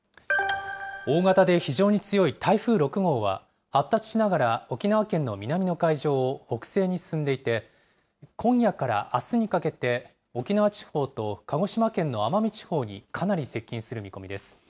大型で非常に強い台風６号は、発達しながら沖縄県の南の海上を北西に進んでいて、今夜からあすにかけて、沖縄地方と鹿児島県の奄美地方にかなり接近する見込みです。